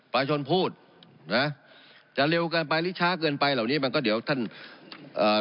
ประชาชนพูดนะจะเร็วเกินไปหรือช้าเกินไปเหล่านี้มันก็เดี๋ยวท่านเอ่อ